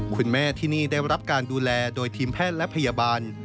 คุณแม่ที่นี่ได้รับการดูแลโดยทีมแพทย์และพยาบาล